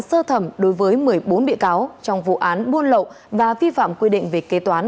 sơ thẩm đối với một mươi bốn bị cáo trong vụ án buôn lậu và vi phạm quy định về kế toán